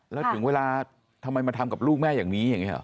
แล้วถึงเวลาทำไมมาทำกับลูกแม่อย่างนี้